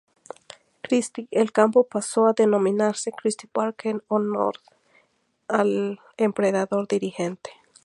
Christie, el campo pasó a denominarse Christie Park en honor al emprendedor dirigente.